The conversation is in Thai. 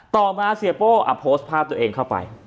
ต่อมาเชียบโป่อัพโพสต์พาตัวเองเข้าไป